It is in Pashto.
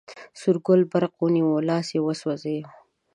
سور ګل برق ونیوی، لاس یې وروسوځوی.